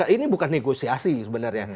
ini bukan negosiasi sebenarnya